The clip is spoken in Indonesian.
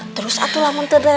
terus itu lah muntede